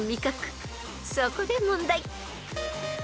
［そこで問題］